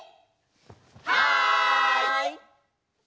はい！